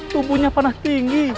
tubuhnya panah tinggi